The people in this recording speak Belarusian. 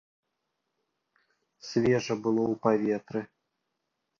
Свежа было ў паветры.